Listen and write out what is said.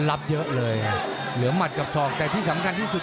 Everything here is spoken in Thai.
รับเยอะเลยเหลือหมัดกับศอกแต่ที่สำคัญที่สุด